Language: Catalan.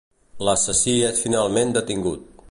L'assassí és finalment detingut.